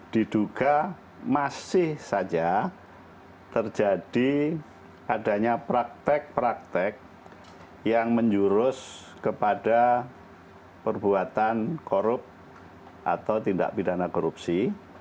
diduga masih saja terjadi adanya praktek praktek yang menjurus kepada perbuatan korup atau tindak pidana korupsi